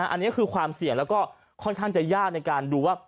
อันนี้คือความเสี่ยงแล้วก็ค่อนข้างจะยากในการดูว่า